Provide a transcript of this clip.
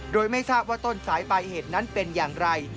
โดยไม่ทราบว่าต้นสายปลายเหตุนั้นเป็นอย่างไร